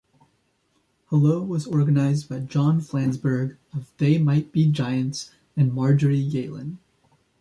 Hello was organised by John Flansburgh of They Might Be Giants and Marjorie Galen.